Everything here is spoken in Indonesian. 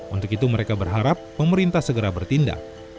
untuk itu mereka berharap pemerintah segera bertindak